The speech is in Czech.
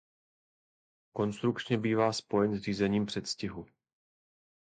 Konstrukčně bývá spojen s řízením předstihu.